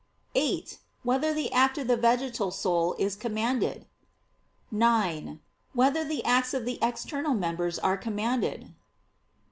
(8) Whether the act of the vegetal soul is commanded? (9) Whether the acts of the external members are commanded?